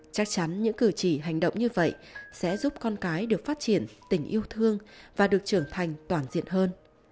chắc chắn những cử chỉ hành động như vậy sẽ giúp con cái được phát triển tình yêu thương và được trưởng thành toàn diện hơn